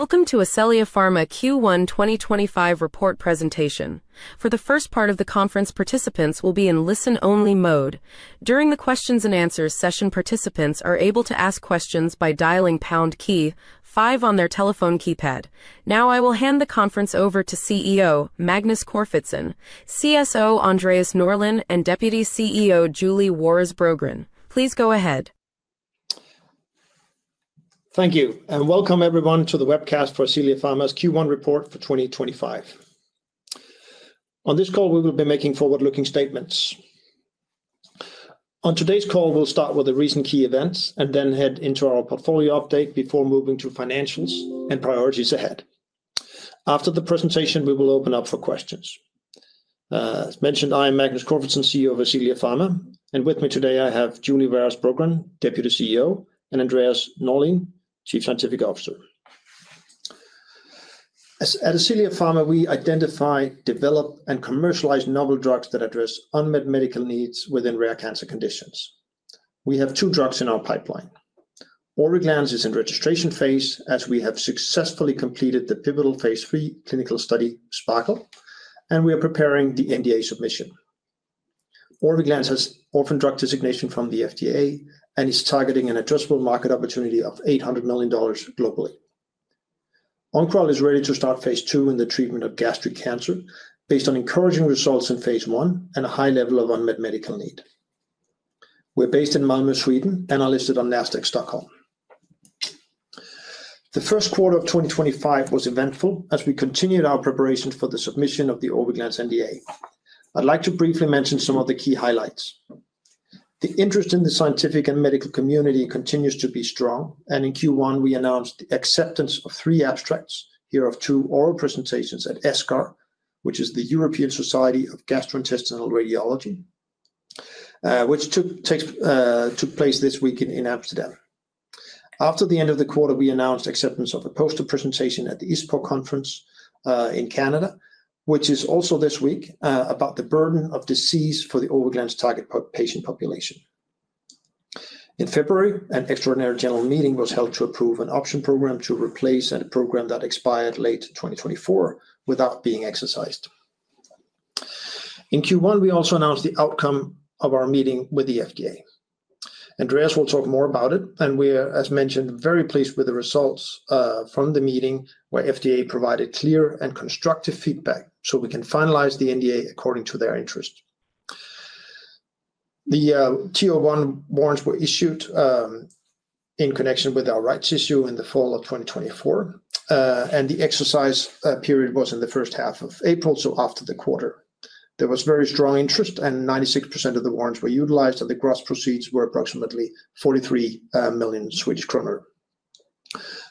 Welcome to Ascelia Pharma Q1 2025 report presentation. For the first part of the conference, participants will be in listen-only mode. During the Q&A session, participants are able to ask questions by dialing pound key 5 on their telephone keypad. Now, I will hand the conference over to CEO Magnus Corfitzen, CSO Andreas Norlin, and Deputy CEO Julie Waras Brogren. Please go ahead. Thank you, and welcome everyone to the webcast for Ascelia Pharma's Q1 report for 2025. On this call, we will be making forward-looking statements. On today's call, we'll start with the recent key events and then head into our portfolio update before moving to financials and priorities ahead. After the presentation, we will open up for questions. As mentioned, I am Magnus Corfitzen, CEO of Ascelia Pharma, and with me today I have Julie Waras Brogren, Deputy CEO, and Andreas Norlin, Chief Scientific Officer. At Ascelia Pharma, we identify, develop, and commercialize novel drugs that address unmet medical needs within rare cancer conditions. We have two drugs in our pipeline. Orviglance is in registration phase, as we have successfully completed the pivotal phase III clinical study Sparkle, and we are preparing the NDA submission. Orviglance has orphan drug designation from the FDA and is targeting an addressable market opportunity of $800 million globally. Oncoral is ready to start phase II in the treatment of gastric cancer based on encouraging results in phase one and a high level of unmet medical need. We're based in Malmö, Sweden, and are listed on Nasdaq Stockholm. The first quarter of 2025 was eventful as we continued our preparation for the submission of the Orviglance NDA. I'd like to briefly mention some of the key highlights. The interest in the scientific and medical community continues to be strong, and in Q1, we announced the acceptance of three abstracts, hereof two oral presentations at ESGAR, which is the European Society of Gastrointestinal and Abdominal Radiology, which took place this week in Amsterdam. After the end of the quarter, we announced acceptance of a poster presentation at the ISPOR conference in Canada, which is also this week, about the burden of disease for the Orviglance target patient population. In February, an extraordinary general meeting was held to approve an option program to replace a program that expired late 2024 without being exercised. In Q1, we also announced the outcome of our meeting with the FDA. Andreas will talk more about it, and we are, as mentioned, very pleased with the results from the meeting, where the FDA provided clear and constructive feedback so we can finalize the NDA according to their interest. The TO1 warrants were issued in connection with our rights issue in the fall of 2024, and the exercise period was in the first half of April, so after the quarter. There was very strong interest, and 96% of the warrants were utilized, and the gross proceeds were approximately 43 million Swedish kronor.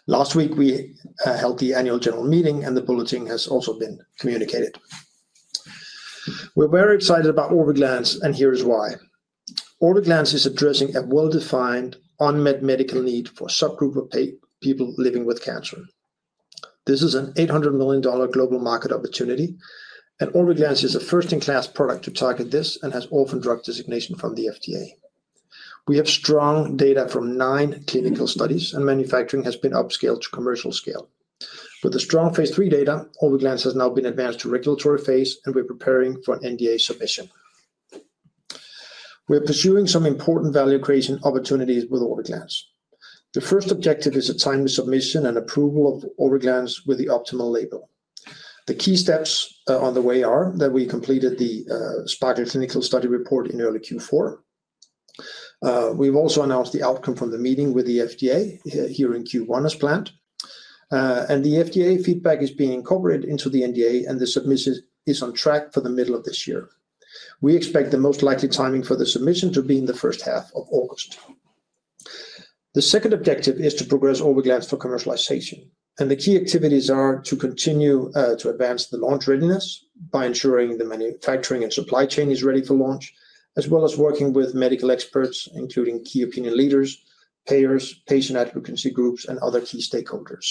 Last week, we held the annual general meeting, and the bulletin has also been communicated. We're very excited about Orviglance, and here is why. Orviglance is addressing a well-defined unmet medical need for a subgroup of people living with cancer. This is an $800 million global market opportunity, and Orviglance is a first-in-class product to target this and has orphan drug designation from the FDA. We have strong data from nine clinical studies, and manufacturing has been upscaled to commercial scale. With the strong phase III data, Orviglance has now been advanced to regulatory phase, and we're preparing for an NDA submission. We're pursuing some important value creation opportunities with Orviglance. The first objective is a timely submission and approval of Orviglance with the optimal label. The key steps on the way are that we completed the Sparkle clinical study report in early Q4. We've also announced the outcome from the meeting with the FDA here in Q1 as planned, and the FDA feedback is being incorporated into the NDA, and the submission is on track for the middle of this year. We expect the most likely timing for the submission to be in the first half of August. The second objective is to progress Orviglance for commercialization, and the key activities are to continue to advance the launch readiness by ensuring the manufacturing and supply chain is ready for launch, as well as working with medical experts, including key opinion leaders, payers, patient advocacy groups, and other key stakeholders.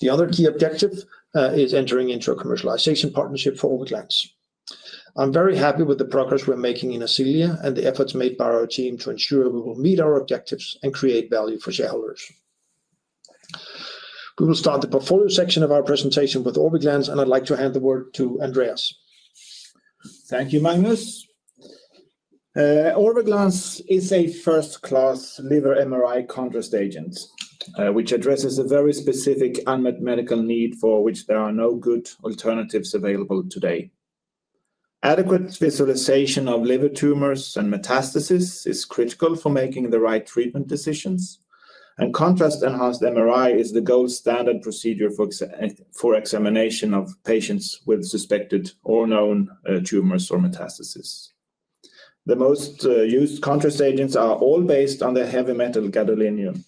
The other key objective is entering into a commercialization partnership for Orviglance. I'm very happy with the progress we're making in Ascelia and the efforts made by our team to ensure we will meet our objectives and create value for shareholders. We will start the portfolio section of our presentation with Orviglance, and I'd like to hand the word to Andreas. Thank you, Magnus. Orviglance is a first-class liver MRI contrast agent, which addresses a very specific unmet medical need for which there are no good alternatives available today. Adequate visualization of liver tumors and metastases is critical for making the right treatment decisions, and contrast-enhanced MRI is the gold standard procedure for examination of patients with suspected or known tumors or metastases. The most used contrast agents are all based on the heavy metal gadolinium.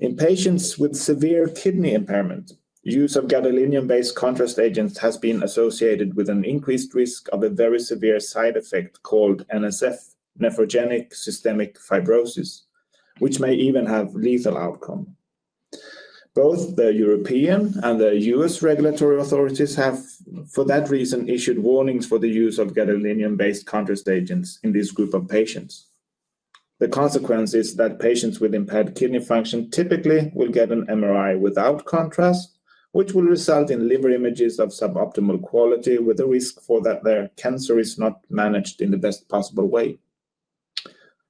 In patients with severe kidney impairment, use of gadolinium-based contrast agents has been associated with an increased risk of a very severe side effect called NSF, nephrogenic systemic fibrosis, which may even have lethal outcome. Both the European and the U.S. regulatory authorities have, for that reason, issued warnings for the use of gadolinium-based contrast agents in this group of patients. The consequence is that patients with impaired kidney function typically will get an MRI without contrast, which will result in liver images of suboptimal quality, with a risk for that their cancer is not managed in the best possible way.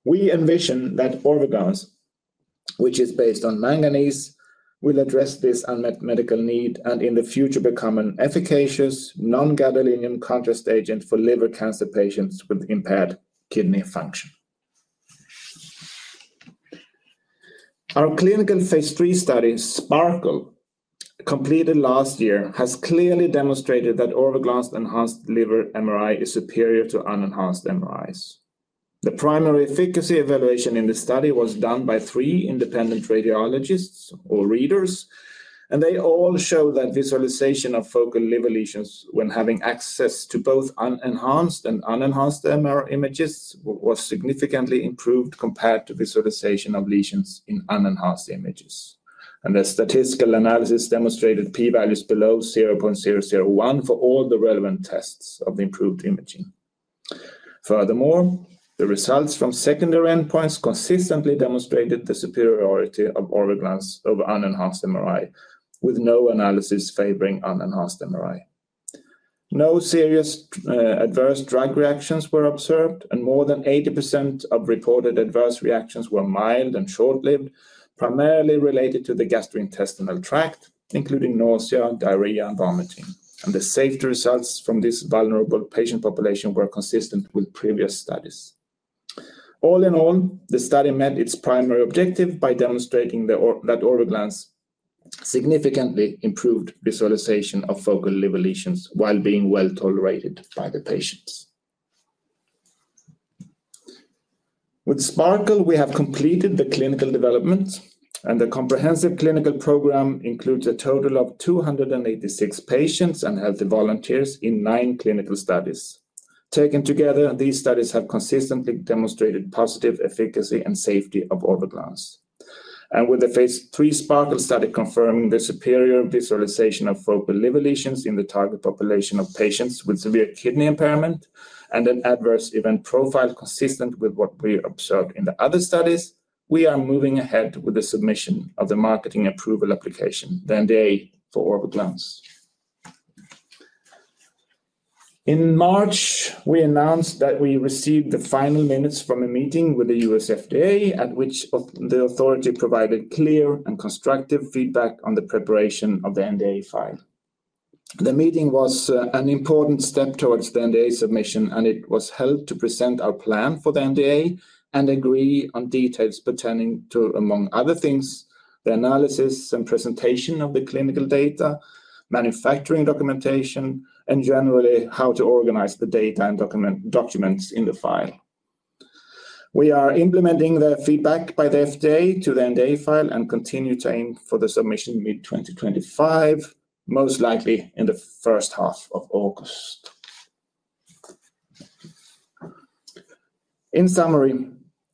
We envision that Orviglance, which is based on manganese, will address this unmet medical need and in the future become an efficacious non-gadolinium contrast agent for liver cancer patients with impaired kidney function. Our clinical phase III study, Sparkle, completed last year, has clearly demonstrated that Orviglance-enhanced liver MRI is superior to unenhanced MRIs. The primary efficacy evaluation in the study was done by three independent radiologists or readers, and they all show that visualization of focal liver lesions when having access to both unenhanced and Orviglance-enhanced MR images was significantly improved compared to visualization of lesions in unenhanced images. The statistical analysis demonstrated p-values below 0.001 for all the relevant tests of the improved imaging. Furthermore, the results from secondary endpoints consistently demonstrated the superiority of Orviglance over unenhanced MRI, with no analysis favoring unenhanced MRI. No serious adverse drug reactions were observed, and more than 80% of reported adverse reactions were mild and short-lived, primarily related to the gastrointestinal tract, including nausea, diarrhea, and vomiting. The safety results from this vulnerable patient population were consistent with previous studies. All in all, the study met its primary objective by demonstrating that Orviglance significantly improved visualization of focal liver lesions while being well tolerated by the patients. With Sparkle, we have completed the clinical development, and the comprehensive clinical program includes a total of 286 patients and healthy volunteers in nine clinical studies. Taken together, these studies have consistently demonstrated positive efficacy and safety of Orviglance. With the phase III Sparkle study confirming the superior visualization of focal liver lesions in the target population of patients with severe kidney impairment and an adverse event profile consistent with what we observed in the other studies, we are moving ahead with the submission of the marketing approval application, the NDA for Orviglance. In March, we announced that we received the final minutes from a meeting with the US FDA, at which the authority provided clear and constructive feedback on the preparation of the NDA file. The meeting was an important step towards the NDA submission, and it was held to present our plan for the NDA and agree on details pertaining to, among other things, the analysis and presentation of the clinical data, manufacturing documentation, and generally how to organize the data and documents in the file. We are implementing the feedback by the FDA to the NDA file and continue to aim for the submission mid-2025, most likely in the first half of August. In summary,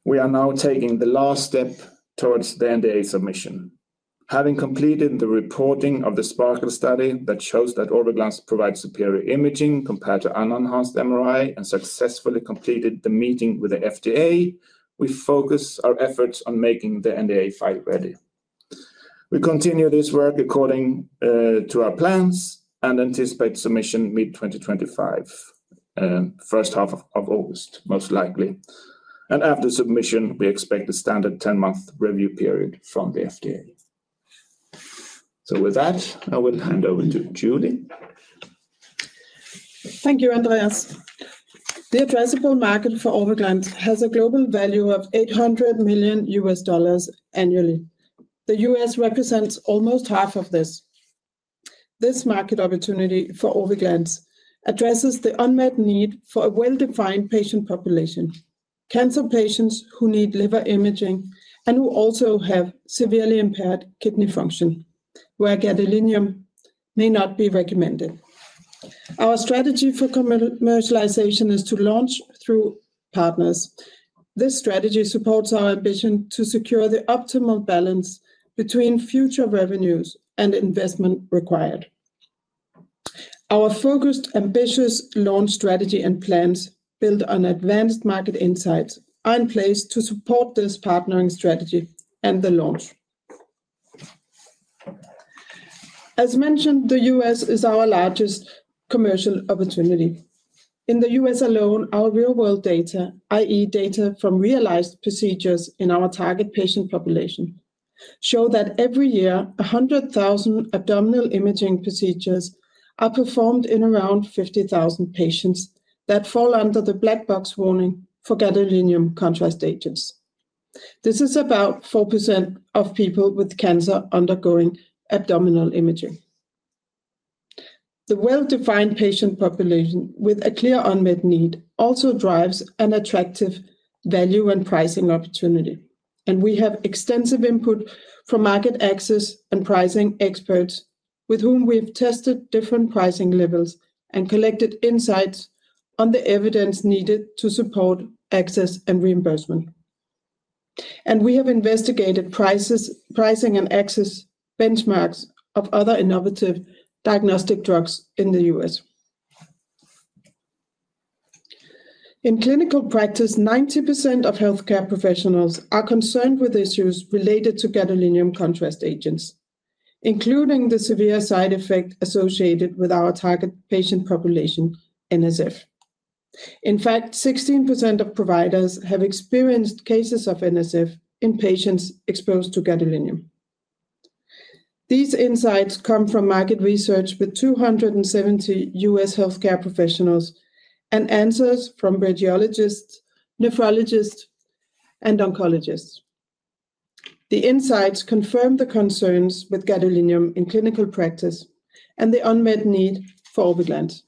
we are now taking the last step towards the NDA submission. Having completed the reporting of the Sparkle study that shows that Orviglance provides superior imaging compared to unenhanced MRI and successfully completed the meeting with the FDA, we focus our efforts on making the NDA file ready. We continue this work according to our plans and anticipate submission mid-2025, first half of August, most likely. After submission, we expect a standard 10-month review period from the FDA. With that, I will hand over to Julie. Thank you, Andreas. The addressable market for Orviglance has a global value of $800 million US dollars annually. The U.S. represents almost half of this. This market opportunity for Orviglance addresses the unmet need for a well-defined patient population, cancer patients who need liver imaging and who also have severely impaired kidney function, where gadolinium may not be recommended. Our strategy for commercialization is to launch through partners. This strategy supports our ambition to secure the optimal balance between future revenues and investment required. Our focused, ambitious launch strategy and plans built on advanced market insights are in place to support this partnering strategy and the launch. As mentioned, the U.S. is our largest commercial opportunity. In the U.S. alone, our real-world data, i.e., data from realized procedures in our target patient population, show that every year, 100,000 abdominal imaging procedures are performed in around 50,000 patients that fall under the black box warning for gadolinium contrast agents. This is about 4% of people with cancer undergoing abdominal imaging. The well-defined patient population with a clear unmet need also drives an attractive value and pricing opportunity. We have extensive input from market access and pricing experts with whom we've tested different pricing levels and collected insights on the evidence needed to support access and reimbursement. We have investigated pricing and access benchmarks of other innovative diagnostic drugs in the U.S. In clinical practice, 90% of healthcare professionals are concerned with issues related to gadolinium contrast agents, including the severe side effect associated with our target patient population, NSF. In fact, 16% of providers have experienced cases of NSF in patients exposed to gadolinium. These insights come from market research with 270 U.S. healthcare professionals and answers from radiologists, nephrologists, and oncologists. The insights confirm the concerns with gadolinium in clinical practice and the unmet need for Orviglance.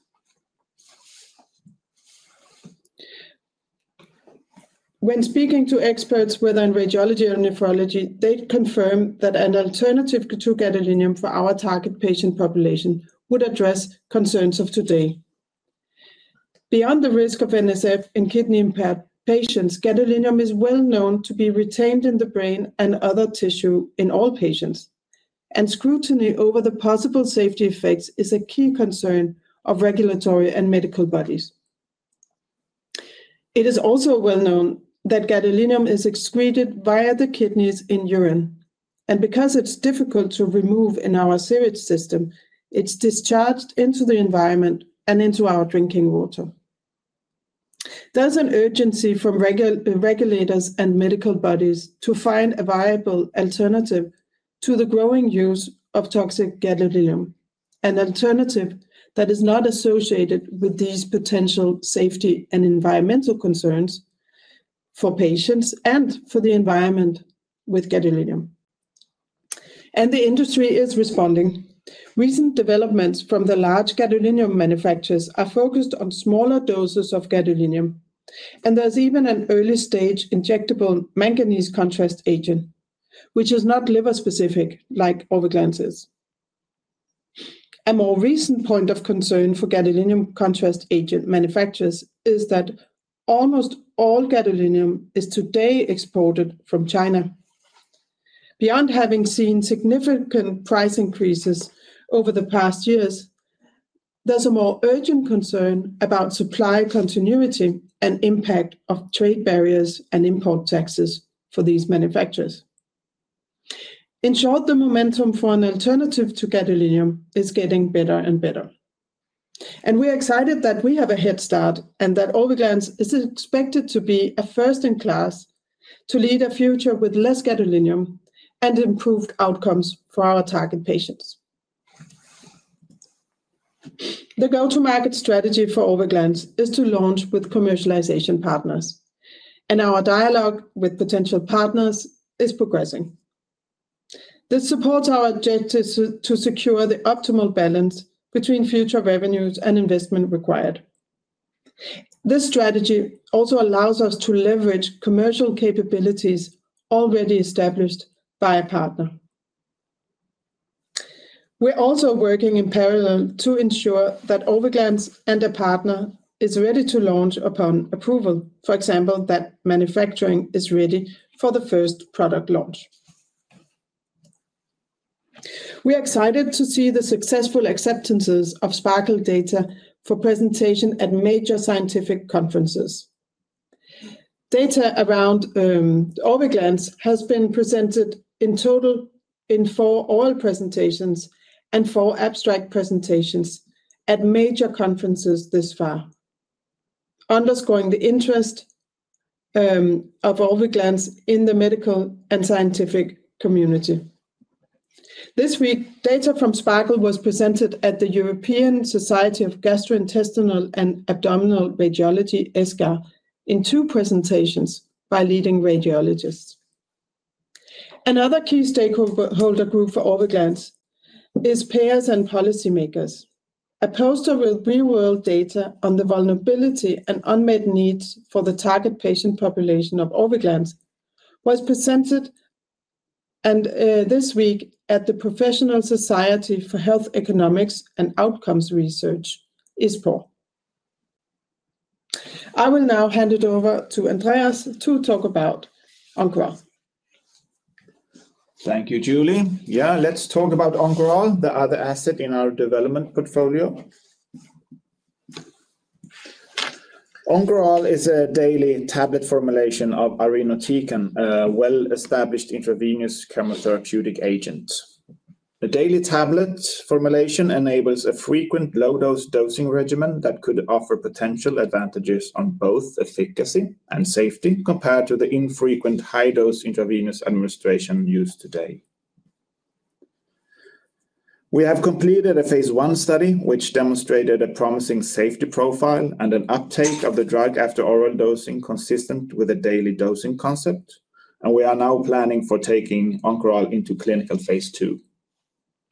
When speaking to experts, whether in radiology or nephrology, they confirm that an alternative to gadolinium for our target patient population would address concerns of today. Beyond the risk of NSF in kidney-impaired patients, gadolinium is well known to be retained in the brain and other tissue in all patients, and scrutiny over the possible safety effects is a key concern of regulatory and medical bodies. It is also well known that gadolinium is excreted via the kidneys in urine, and because it's difficult to remove in our sewage system, it's discharged into the environment and into our drinking water. is an urgency from regulators and medical bodies to find a viable alternative to the growing use of toxic gadolinium, an alternative that is not associated with these potential safety and environmental concerns for patients and for the environment with gadolinium. The industry is responding. Recent developments from the large gadolinium manufacturers are focused on smaller doses of gadolinium, and there is even an early-stage injectable manganese contrast agent, which is not liver-specific like Orviglance is. A more recent point of concern for gadolinium contrast agent manufacturers is that almost all gadolinium is today exported from China. Beyond having seen significant price increases over the past years, there is a more urgent concern about supply continuity and impact of trade barriers and import taxes for these manufacturers. In short, the momentum for an alternative to gadolinium is getting better and better. We are excited that we have a head start and that Orviglance is expected to be a first-in-class to lead a future with less gadolinium and improved outcomes for our target patients. The go-to-market strategy for Orviglance is to launch with commercialization partners, and our dialogue with potential partners is progressing. This supports our objective to secure the optimal balance between future revenues and investment required. This strategy also allows us to leverage commercial capabilities already established by a partner. We are also working in parallel to ensure that Orviglance and a partner are ready to launch upon approval, for example, that manufacturing is ready for the first product launch. We are excited to see the successful acceptances of Sparkle data for presentation at major scientific conferences. Data around Orviglance has been presented in total in four oral presentations and four abstract presentations at major conferences thus far, underscoring the interest of Orviglance in the medical and scientific community. This week, data from Sparkle was presented at the European Society of Gastrointestinal and Abdominal Radiology, ESGAR, in two presentations by leading radiologists. Another key stakeholder group for Orviglance is payers and policymakers. A poster with real-world data on the vulnerability and unmet needs for the target patient population of Orviglance was presented this week at the International Society for Pharmacoeconomics and Outcomes Research, ISPOR. I will now hand it over to Andreas to talk about Oncoral. Thank you, Julie. Yeah, let's talk about Oncoral, the other asset in our development portfolio. Oncoral is a daily tablet formulation of irinotecan, a well-established intravenous chemotherapeutic agent. A daily tablet formulation enables a frequent low-dose dosing regimen that could offer potential advantages on both efficacy and safety compared to the infrequent high-dose intravenous administration used today. We have completed a phase one study, which demonstrated a promising safety profile and an uptake of the drug after oral dosing consistent with a daily dosing concept, and we are now planning for taking Oncoral into clinical phase II.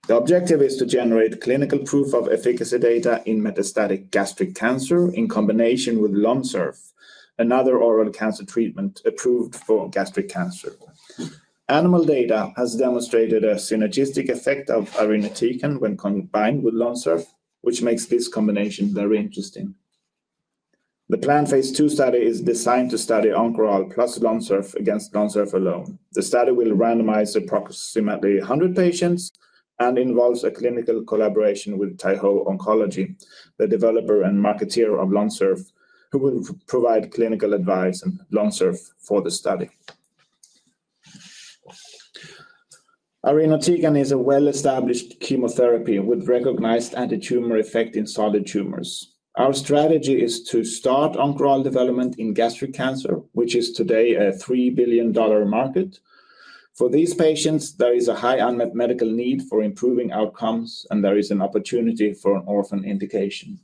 The objective is to generate clinical proof of efficacy data in metastatic gastric cancer in combination with Lonsurf, another oral cancer treatment approved for gastric cancer. Animal data has demonstrated a synergistic effect of irinotecan when combined with Lonsurf, which makes this combination very interesting. The planned phase II study is designed to study Oncoral plus Lonsurf against Lonsurf alone. The study will randomize approximately 100 patients and involves a clinical collaboration with Taiho Oncology, the developer and marketeer of Lonsurf, who will provide clinical advice on Lonsurf for the study. Irinotecan is a well-established chemotherapy with recognized anti-tumor effect in solid tumors. Our strategy is to start Oncoral development in gastric cancer, which is today a $3 billion market. For these patients, there is a high unmet medical need for improving outcomes, and there is an opportunity for an orphan indication.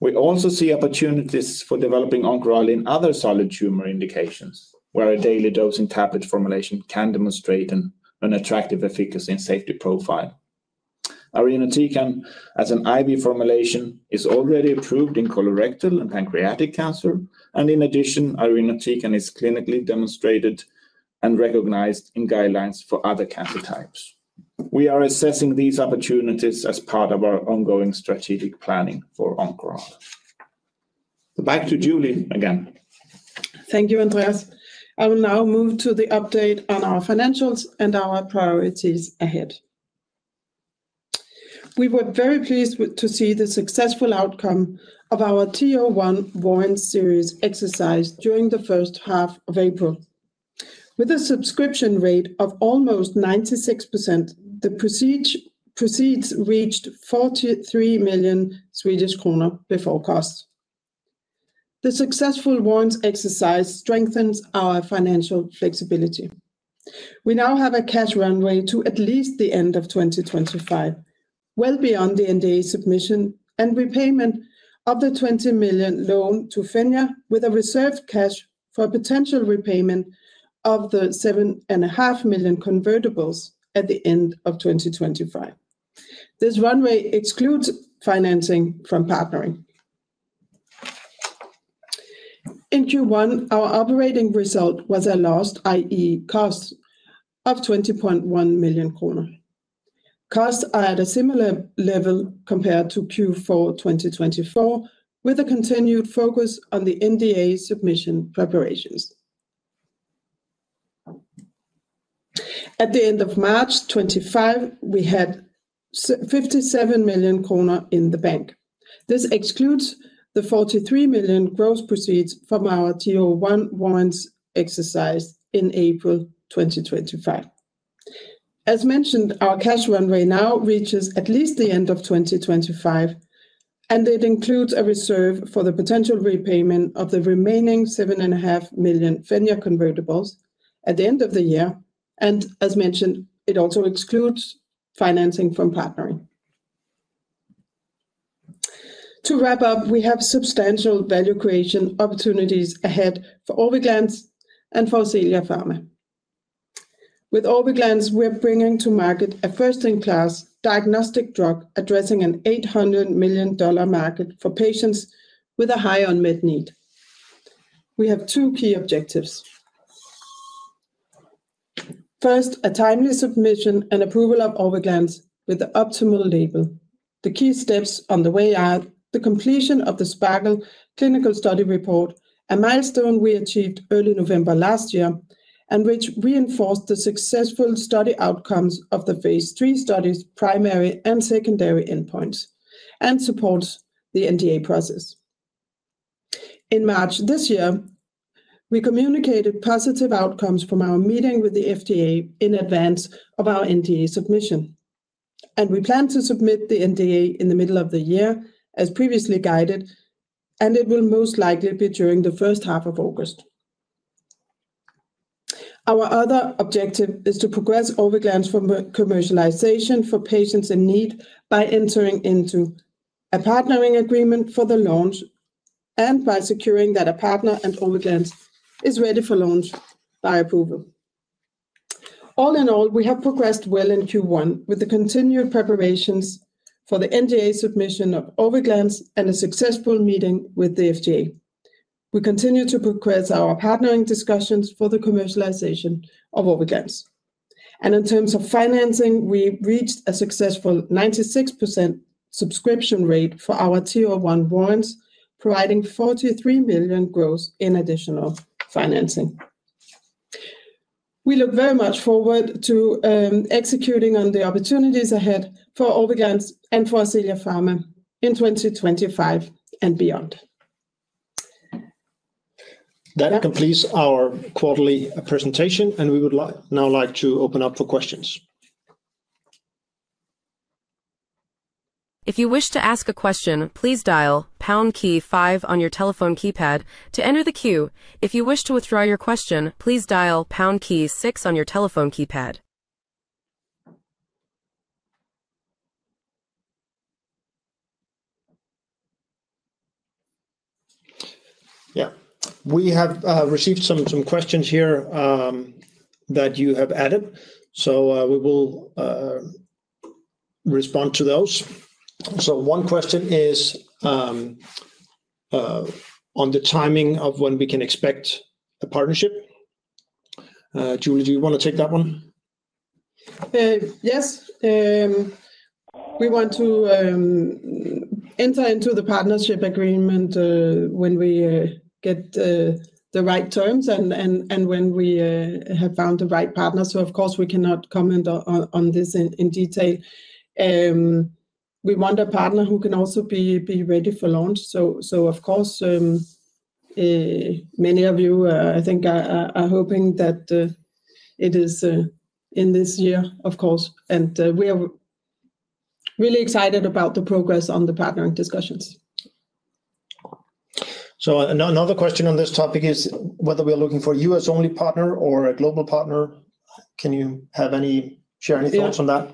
We also see opportunities for developing Oncoral in other solid tumor indications, where a daily dosing tablet formulation can demonstrate an attractive efficacy and safety profile. Irinotecan as an IV formulation is already approved in colorectal and pancreatic cancer, and in addition, irinotecan is clinically demonstrated and recognized in guidelines for other cancer types. We are assessing these opportunities as part of our ongoing strategic planning for Oncoral. Back to Julie again. Thank you, Andreas. I will now move to the update on our financials and our priorities ahead. We were very pleased to see the successful outcome of our TO1 warrant series exercise during the first half of April. With a subscription rate of almost 96%, the proceeds reached 43 million Swedish kronor before cost. The successful warrant exercise strengthens our financial flexibility. We now have a cash runway to at least the end of 2025, well beyond the NDA submission and repayment of the 20 million loan to Fenja, with a reserved cash for a potential repayment of the 7.5 million convertibles at the end of 2025. This runway excludes financing from partnering. In Q1, our operating result was a loss, i.e., cost of 20.1 million kronor. Costs are at a similar level compared to Q4 2024, with a continued focus on the NDA submission preparations. At the end of March 25, we had 57 million kronor in the bank. This excludes the 43 million gross proceeds from our TO1 warrant exercise in April 2025. As mentioned, our cash runway now reaches at least the end of 2025, and it includes a reserve for the potential repayment of the remaining 7.5 million Fenja convertibles at the end of the year. It also excludes financing from partnering. To wrap up, we have substantial value creation opportunities ahead for Orviglance and for Ascelia Pharma. With Orviglance, we're bringing to market a first-in-class diagnostic drug addressing an $800 million market for patients with a high unmet need. We have two key objectives. First, a timely submission and approval of Orviglance with the optimal label. The key steps on the way are, the completion of the Sparkle clinical study report, a milestone we achieved early November last year, and which reinforced the successful study outcomes of the phase III study's primary and secondary endpoints and supports the NDA process. In March this year, we communicated positive outcomes from our meeting with the FDA in advance of our NDA submission, and we plan to submit the NDA in the middle of the year, as previously guided, and it will most likely be during the first half of August. Our other objective is to progress Orviglance from commercialization for patients in need by entering into a partnering agreement for the launch and by securing that a partner and Orviglance is ready for launch by approval. All in all, we have progressed well in Q1 with the continued preparations for the NDA submission of Orviglance and a successful meeting with the FDA. We continue to progress our partnering discussions for the commercialization of Orviglance. In terms of financing, we reached a successful 96% subscription rate for our TO1 warrants, providing 43 million gross in additional financing. We look very much forward to executing on the opportunities ahead for Orviglance and for Ascelia Pharma in 2025 and beyond. That completes our quarterly presentation, and we would now like to open up for questions. If you wish to ask a question, please dial pound key five on your telephone keypad to enter the queue. If you wish to withdraw your question, please dial pound key six on your telephone keypad. Yeah, we have received some questions here that you have added, so we will respond to those. One question is on the timing of when we can expect a partnership. Julie, do you want to take that one? Yes. We want to enter into the partnership agreement when we get the right terms and when we have found the right partners. Of course, we cannot comment on this in detail. We want a partner who can also be ready for launch. Of course, many of you, I think, are hoping that it is in this year, of course, and we are really excited about the progress on the partnering discussions. Another question on this topic is whether we are looking for a US-only partner or a global partner. Can you share any thoughts on that?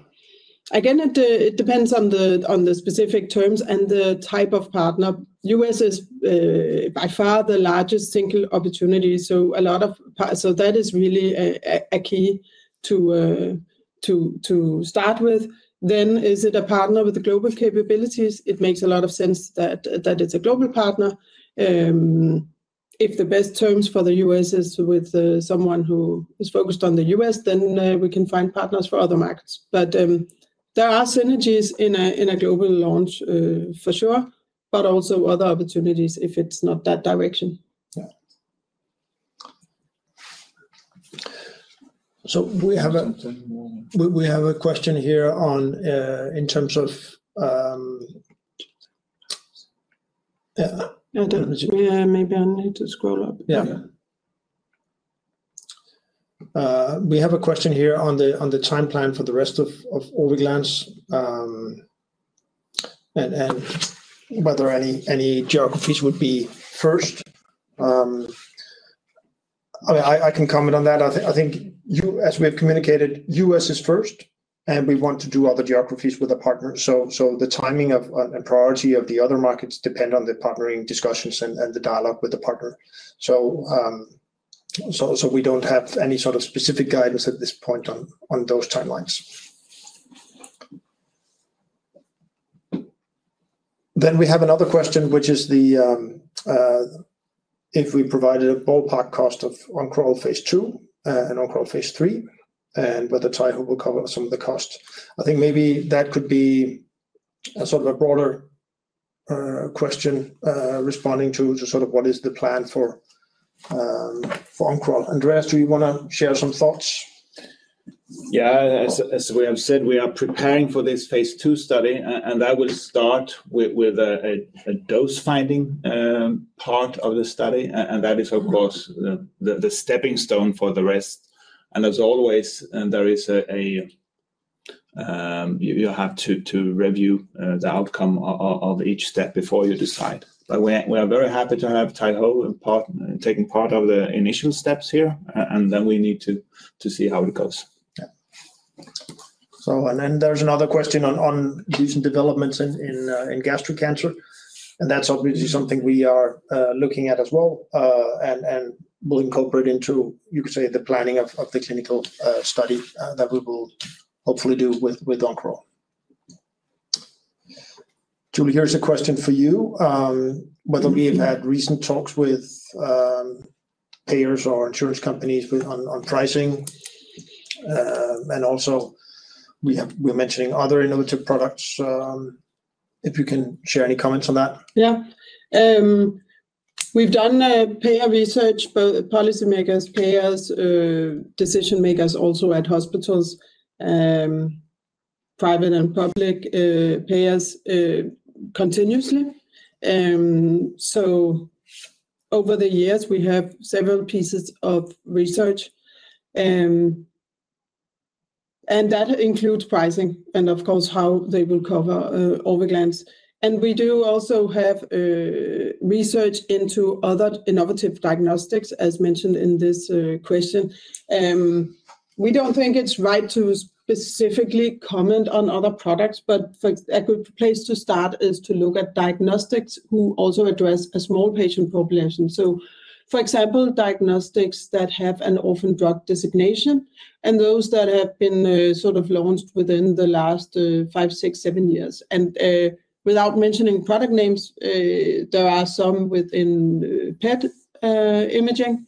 Again, it depends on the specific terms and the type of partner. U.S. is by far the largest single opportunity, so that is really a key to start with. Then, is it a partner with global capabilities? It makes a lot of sense that it's a global partner. If the best terms for the U.S. is with someone who is focused on the U.S., then we can find partners for other markets. There are synergies in a global launch for sure, but also other opportunities if it's not that direction. Yeah. So we have a question here in terms of. Yeah, maybe I need to scroll up. Yeah. We have a question here on the timeline for the rest of Orviglance and whether any geographies would be first. I can comment on that. I think, as we have communicated, US is first, and we want to do other geographies with a partner. The timing and priority of the other markets depend on the partnering discussions and the dialogue with the partner. We do not have any sort of specific guidance at this point on those timelines. We have another question, which is if we provided a ballpark cost of Oncoral phase II and Oncoral phase III and whether Taiho will cover some of the cost. I think maybe that could be a sort of a broader question responding to sort of what is the plan for Oncoral. Andreas, do you want to share some thoughts? Yeah. As we have said, we are preparing for this phase II study, and that will start with a dose finding part of the study, and that is, of course, the stepping stone for the rest. As always, you have to review the outcome of each step before you decide. We are very happy to have Taiho taking part of the initial steps here, and then we need to see how it goes. There is another question on recent developments in gastric cancer, and that's obviously something we are looking at as well and will incorporate into, you could say, the planning of the clinical study that we will hopefully do with Oncoral. Julie, here's a question for you. Whether we have had recent talks with payers or insurance companies on pricing, and also we're mentioning other innovative products. If you can share any comments on that. Yeah. We've done payer research, both policymakers, payers, decision makers, also at hospitals, private and public payers continuously. Over the years, we have several pieces of research, and that includes pricing and, of course, how they will cover Orviglance. We do also have research into other innovative diagnostics, as mentioned in this question. We do not think it is right to specifically comment on other products, but a good place to start is to look at diagnostics who also address a small patient population. For example, diagnostics that have an orphan drug designation and those that have been sort of launched within the last five, six, seven years. Without mentioning product names, there are some within PET imaging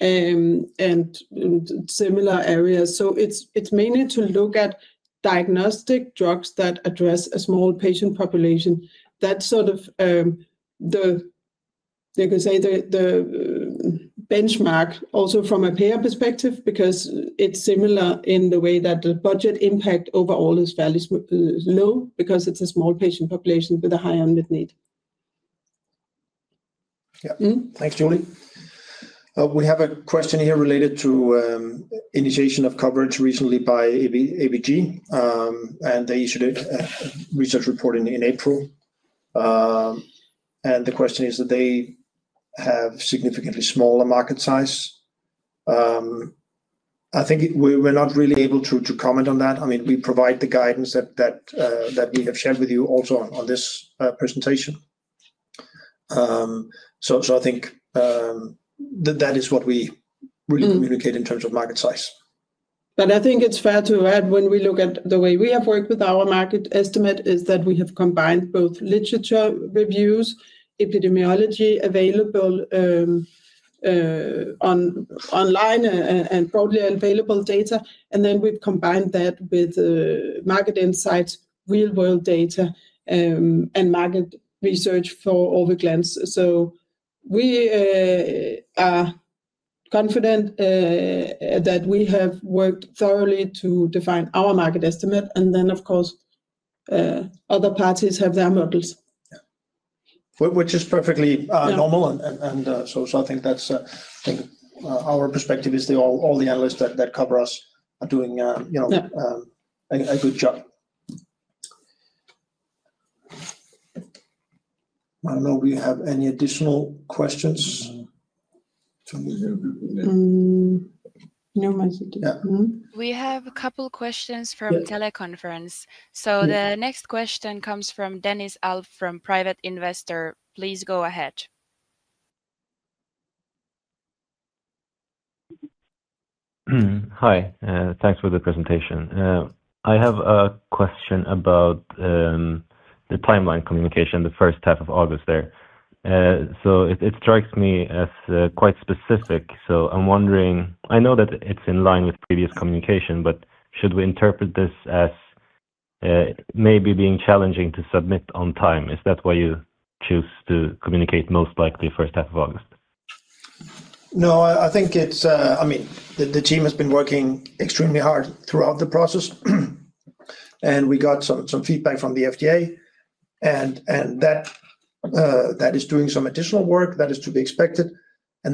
and similar areas. It is mainly to look at diagnostic drugs that address a small patient population. That's sort of the, you could say, the benchmark also from a payer perspective because it's similar in the way that the budget impact overall is fairly low because it's a small patient population with a high unmet need. Yeah. Thanks, Julie. We have a question here related to initiation of coverage recently by ABG Sundal Collier, and they issued a research report in April. The question is that they have significantly smaller market size. I think we're not really able to comment on that. I mean, we provide the guidance that we have shared with you also on this presentation. I think that is what we really communicate in terms of market size. I think it's fair to add when we look at the way we have worked with our market estimate is that we have combined both literature reviews, epidemiology available online, and broadly available data, and then we've combined that with market insights, real-world data, and market research for Orviglance. We are confident that we have worked thoroughly to define our market estimate, and then, of course, other parties have their models. Yeah, which is perfectly normal. I think that's, I think our perspective is all the analysts that cover us are doing a good job. I don't know if we have any additional questions. No more questions. We have a couple of questions from teleconference. The next question comes from Dennis Alph from Private Investor. Please go ahead. Hi. Thanks for the presentation. I have a question about the timeline communication, the first half of August there. It strikes me as quite specific. I am wondering, I know that it is in line with previous communication, but should we interpret this as maybe being challenging to submit on time? Is that why you choose to communicate most likely first half of August? No, I think it's, I mean, the team has been working extremely hard throughout the process, and we got some feedback from the FDA, and that is doing some additional work. That is to be expected. You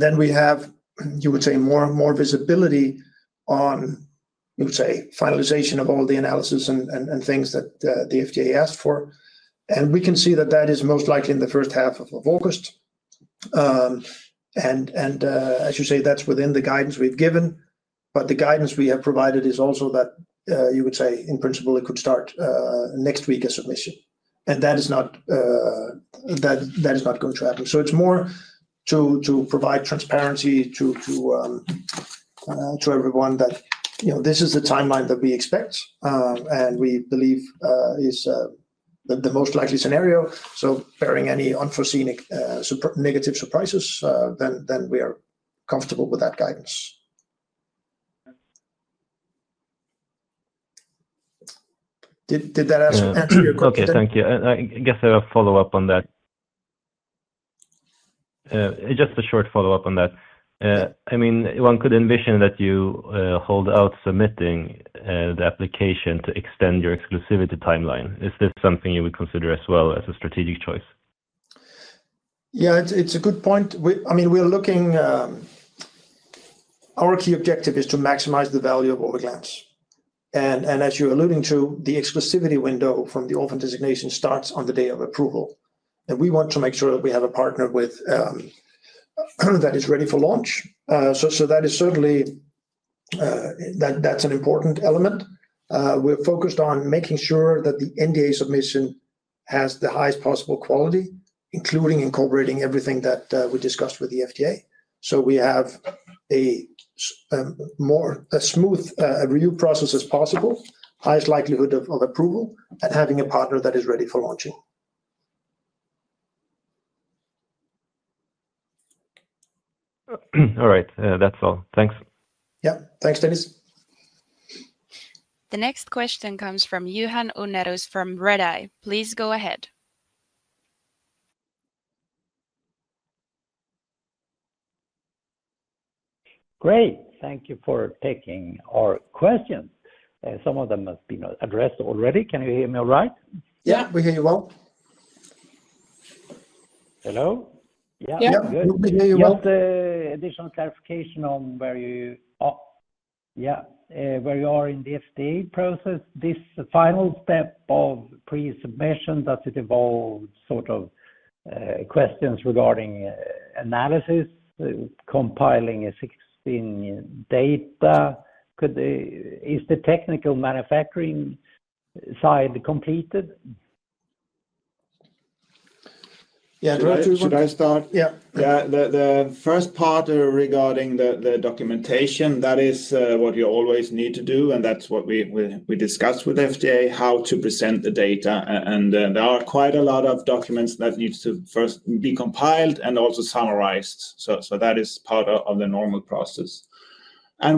would say, we have more visibility on, you would say, finalization of all the analysis and things that the FDA asked for. We can see that that is most likely in the first half of August. As you say, that's within the guidance we've given, but the guidance we have provided is also that, you would say, in principle, it could start next week as submission. That is not going to happen. It's more to provide transparency to everyone that this is the timeline that we expect and we believe is the most likely scenario. Bearing any unforeseen negative surprises, then we are comfortable with that guidance. Did that answer your question? Okay. Thank you. I guess I have a follow-up on that. Just a short follow-up on that. I mean, one could envision that you hold out submitting the application to extend your exclusivity timeline. Is this something you would consider as well as a strategic choice? Yeah, it's a good point. I mean, we're looking, our key objective is to maximize the value of Orviglance. As you're alluding to, the exclusivity window from the orphan designation starts on the day of approval. We want to make sure that we have a partner that is ready for launch. That is certainly an important element. We're focused on making sure that the NDA submission has the highest possible quality, including incorporating everything that we discussed with the FDA. We have a more smooth review process as possible, highest likelihood of approval, and having a partner that is ready for launching. All right. That's all. Thanks. Yeah. Thanks, Dennis. The next question comes from Johan Unnerus from Redeye. Please go ahead. Great. Thank you for taking our questions. Some of them have been addressed already. Can you hear me all right? Yeah, we hear you well. Hello? Yeah, we hear you well. Just additional clarification on where you, yeah, where you are in the FDA process. This final step of pre-submission, does it involve sort of questions regarding analysis, compiling 16 data? Is the technical manufacturing side completed? Yeah. Should I start? Yeah. The first part regarding the documentation, that is what you always need to do, and that is what we discussed with the FDA, how to present the data. There are quite a lot of documents that need to first be compiled and also summarized. That is part of the normal process.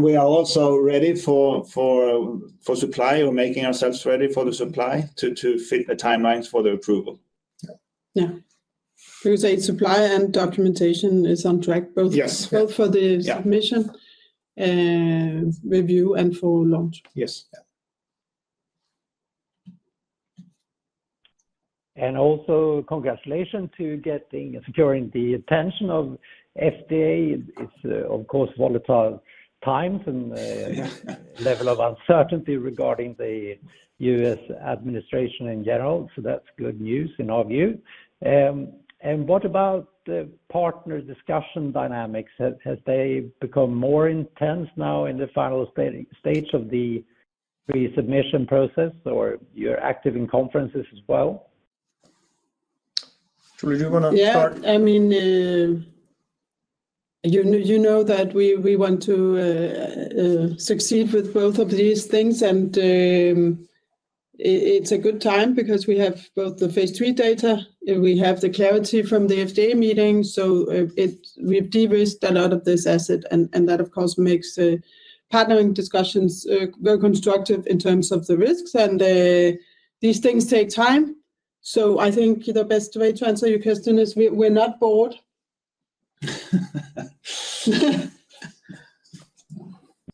We are also ready for supply or making ourselves ready for the supply to fit the timelines for the approval. Yeah. We would say supply and documentation is on track, both for the submission review and for launch. Yes. Also, congratulations to getting securing the attention of the FDA. It is, of course, volatile times and a level of uncertainty regarding the U.S. administration in general. That is good news in our view. What about the partner discussion dynamics? Have they become more intense now in the final stage of the pre-submission process, or you are active in conferences as well? Julie, do you want to start? Yeah. I mean, you know that we want to succeed with both of these things, and it's a good time because we have both the phase III data, and we have the clarity from the FDA meeting. So we've de-risked a lot of this asset, and that, of course, makes partnering discussions very constructive in terms of the risks. And these things take time. I think the best way to answer your question is we're not bored.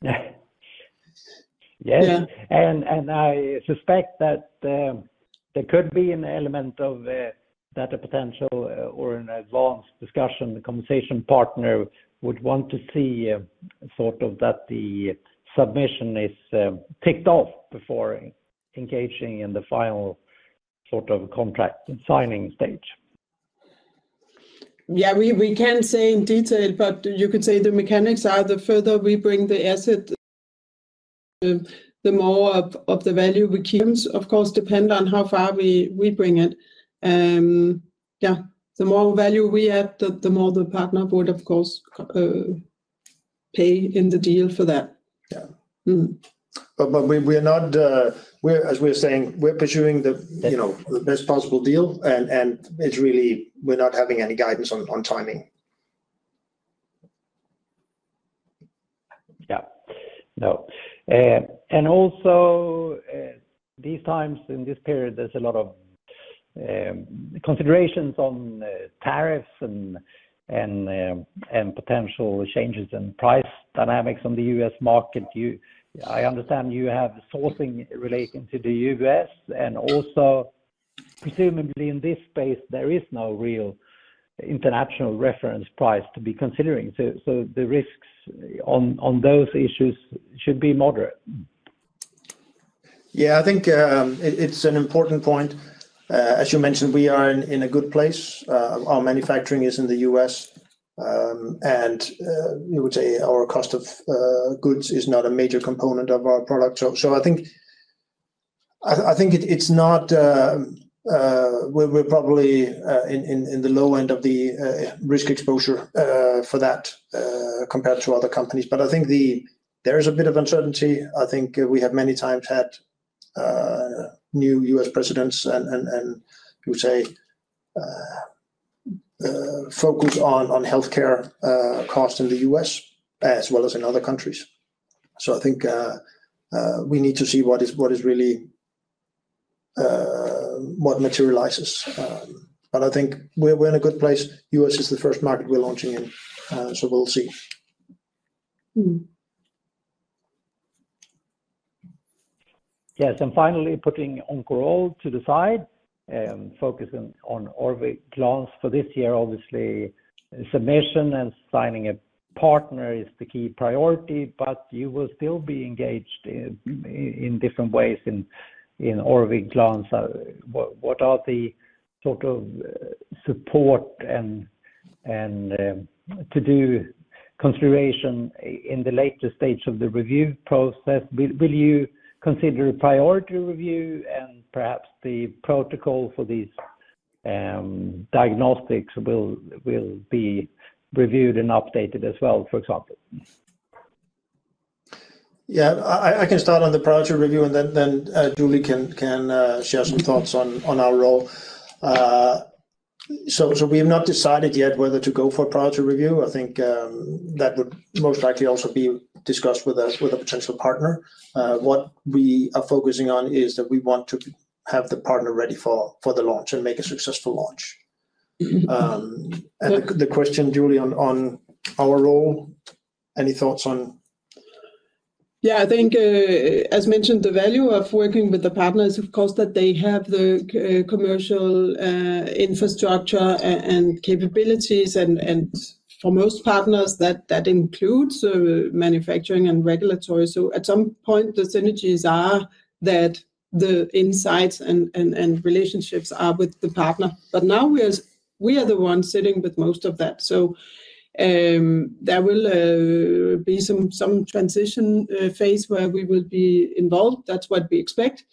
Yeah. Yes. I suspect that there could be an element of data potential or an advanced discussion. The conversation partner would want to see sort of that the submission is ticked off before engaging in the final sort of contract signing stage. Yeah, we can't say in detail, but you could say the mechanics are the further we bring the asset, the more of the value we. Terms, of course, depend on how far we bring it. Yeah. The more value we add, the more the partner would, of course, pay in the deal for that. Yeah. We're not, as we're saying, we're pursuing the best possible deal, and it's really we're not having any guidance on timing. Yeah. No. Also, these times in this period, there's a lot of considerations on tariffs and potential changes in price dynamics on the US market. I understand you have sourcing relating to the US, and also, presumably in this space, there is no real international reference price to be considering. The risks on those issues should be moderate. Yeah, I think it's an important point. As you mentioned, we are in a good place. Our manufacturing is in the U.S., and you would say our cost of goods is not a major component of our product. I think we're probably in the low end of the risk exposure for that compared to other companies. I think there is a bit of uncertainty. I think we have many times had new U.S. presidents and, you would say, focus on healthcare costs in the U.S. as well as in other countries. I think we need to see what is really what materializes. I think we're in a good place. U.S. is the first market we're launching in, so we'll see. Yes. Finally, putting Oncoral to the side and focusing on Orviglance for this year, obviously, submission and signing a partner is the key priority, but you will still be engaged in different ways in Orviglance. What are the sort of support and to-do considerations in the later stage of the review process? Will you consider priority review, and perhaps the protocol for these diagnostics will be reviewed and updated as well, for example? Yeah. I can start on the priority review, and then Julie can share some thoughts on our role. We have not decided yet whether to go for priority review. I think that would most likely also be discussed with a potential partner. What we are focusing on is that we want to have the partner ready for the launch and make a successful launch. The question, Julie, on our role, any thoughts on? Yeah. I think, as mentioned, the value of working with the partners is, of course, that they have the commercial infrastructure and capabilities, and for most partners, that includes manufacturing and regulatory. At some point, the synergies are that the insights and relationships are with the partner. Right now we are the ones sitting with most of that. There will be some transition phase where we will be involved. That is what we expect.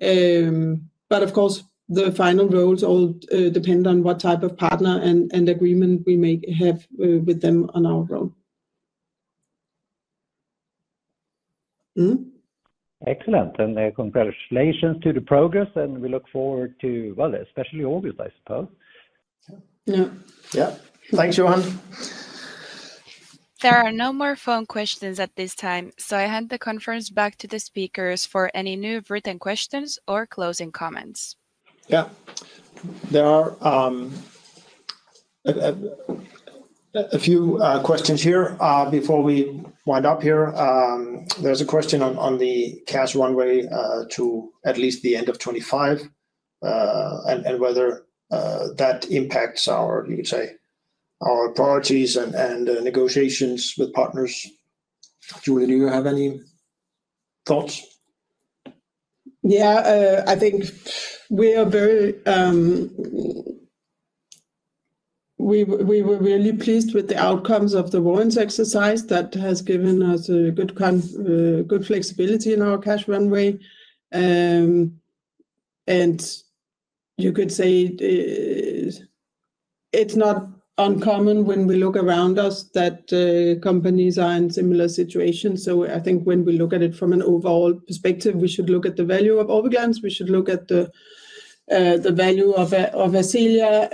Of course, the final roles all depend on what type of partner and agreement we may have with them on our role. Excellent. Congratulations to the progress, and we look forward to, especially August, I suppose. Yeah. Yeah. Thanks, Johan. There are no more phone questions at this time, so I hand the conference back to the speakers for any new written questions or closing comments. Yeah. There are a few questions here before we wind up here. There's a question on the cash runway to at least the end of 2025 and whether that impacts our, you would say, our priorities and negotiations with partners. Julie, do you have any thoughts? Yeah. I think we are very, we were really pleased with the outcomes of the warrants exercise. That has given us a good flexibility in our cash runway. You could say it's not uncommon when we look around us that companies are in similar situations. I think when we look at it from an overall perspective, we should look at the value of Orviglance. We should look at the value of Ascelia,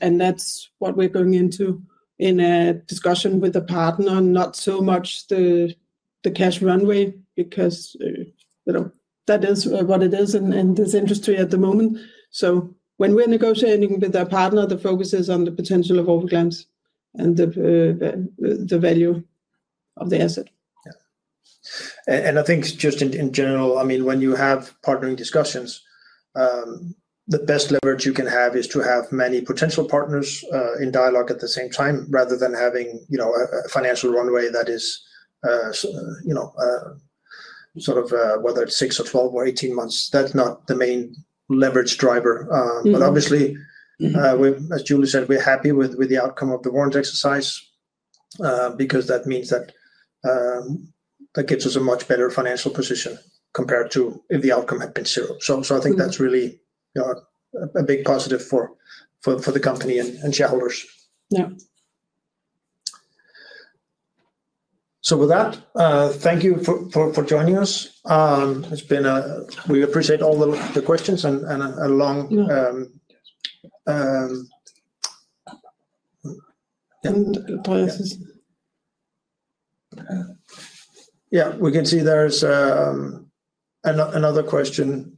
and that's what we're going into in a discussion with a partner, not so much the cash runway, because that is what it is in this industry at the moment. When we're negotiating with a partner, the focus is on the potential of Orviglance and the value of the asset. Yeah. I think just in general, I mean, when you have partnering discussions, the best leverage you can have is to have many potential partners in dialogue at the same time rather than having a financial runway that is sort of whether it's 6 or 12 or 18 months. That's not the main leverage driver. Obviously, as Julie said, we're happy with the outcome of the warrants exercise because that means that gives us a much better financial position compared to if the outcome had been zero. I think that's really a big positive for the company and shareholders. Yeah. With that, thank you for joining us. We appreciate all the questions and a long. The process. Yeah. We can see there's another question.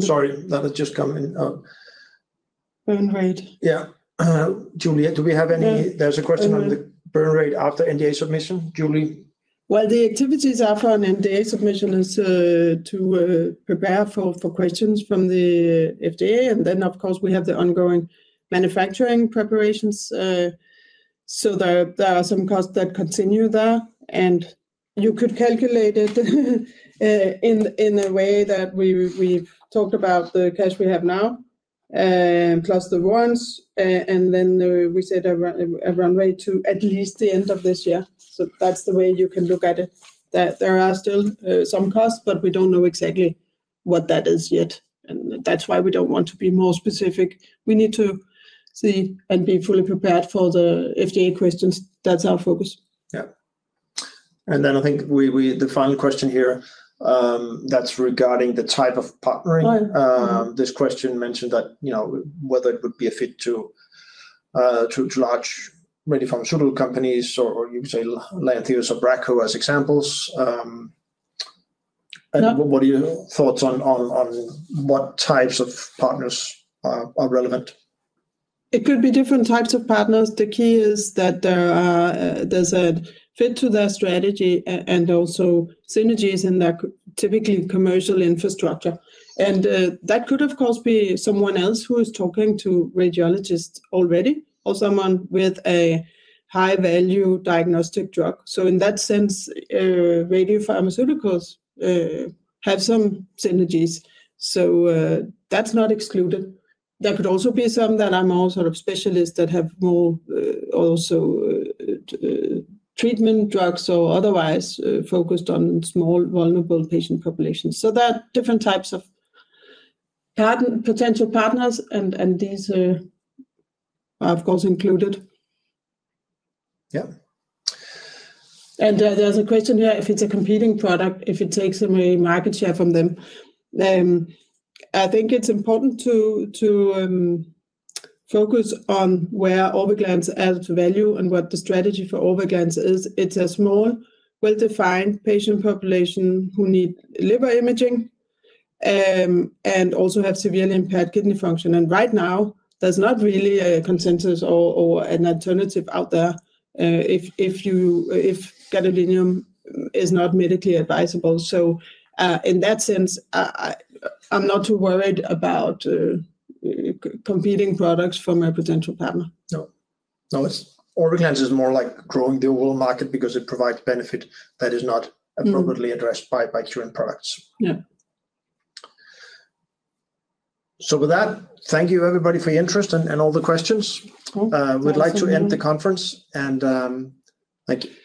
Sorry, that has just come in. Burn rate. Yeah. Julie, do we have any, there's a question on the burn rate after NDA submission? Julie? The activities after an NDA submission are to prepare for questions from the FDA. Of course, we have the ongoing manufacturing preparations. There are some costs that continue there. You could calculate it in a way that we've talked about the cash we have now plus the warrants. We set a runway to at least the end of this year. That's the way you can look at it. There are still some costs, but we don't know exactly what that is yet. That's why we don't want to be more specific. We need to see and be fully prepared for the FDA questions. That's our focus. Yeah. I think the final question here, that's regarding the type of partnering. This question mentioned that whether it would be a fit to large ready pharmaceutical companies or, you could say, Lantheus or Bracco as examples. What are your thoughts on what types of partners are relevant? It could be different types of partners. The key is that there is a fit to their strategy and also synergies in their typically commercial infrastructure. That could, of course, be someone else who is talking to radiologists already or someone with a high-value diagnostic drug. In that sense, radiopharmaceuticals have some synergies. That is not excluded. There could also be some that are more sort of specialists that have more also treatment drugs or otherwise focused on small vulnerable patient populations. There are different types of potential partners, and these are, of course, included. Yeah. There is a question here if it is a competing product, if it takes away market share from them. I think it is important to focus on where Orviglance adds value and what the strategy for Orviglance is. It is a small, well-defined patient population who need liver imaging and also have severely impaired kidney function. Right now, there is not really a consensus or an alternative out there if gadolinium is not medically advisable. In that sense, I am not too worried about competing products from a potential partner. No. No. Orviglance is more like growing the overall market because it provides benefit that is not appropriately addressed by current products. Yeah. Thank you, everybody, for your interest and all the questions. Thank you. We'd like to end the conference, and thank you.